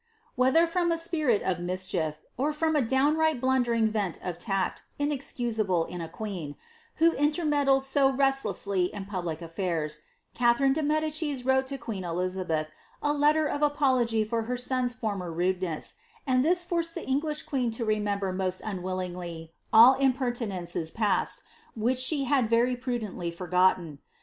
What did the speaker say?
Whether from a spirit of mischief, or from a downright blundering want of tact, inexcusable in a queen, who intermeddled so restlessly in pablic aliurs, Catherine de Medicis wrote to queen Elizaheth, a letter of apology for her son's former rudeness; and this force<l the English queen to remember most unwillingly all impertinences past, which she had very prudently forgotten.